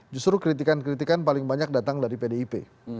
justru kritikan kritikan paling banyak datang dari pdip